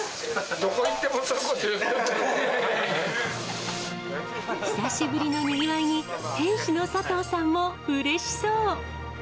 どこ行っても、そういうこと久しぶりのにぎわいに、店主の佐藤さんもうれしそう。